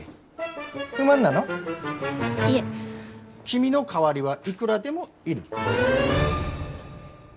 君の代わりはいくらでもいる。